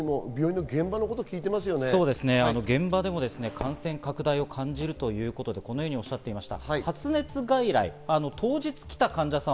病院でも感染拡大を感じるということで、このようにおっしゃっていました。